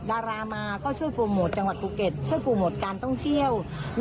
ดารามาก็ช่วยโปรโมทจังหวัดภูเก็ตช่วยโปรโมทการท่องเที่ยว